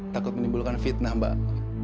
takut menimbulkan fitnah mbak